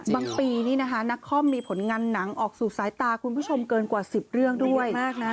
ปีนี้นะคะนักคอมมีผลงานหนังออกสู่สายตาคุณผู้ชมเกินกว่า๑๐เรื่องด้วยมากนะ